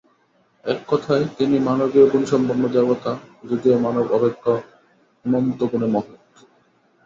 এক কথায় তিনি মানবীয়গুণসম্পন্ন দেবতা, যদিও মানব অপেক্ষা অনন্তগুণে মহৎ।